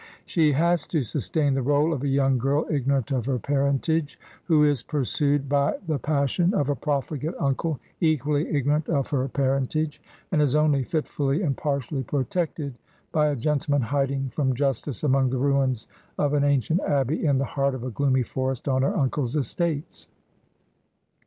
She has to sustain the r61e of a young girl ignorant of her parentage, who is pursued by the pas 84 Digitized by VjOOQIC HEROINES OF MRS. RADCLIFFE sion of a profligate uncle, equally ignorant of her par entage, and is only fitfully and partially protected by a gentleman hiding from justice among the ruins of an ancient abbey in the heart of a gloomy forest on her uncle's estates.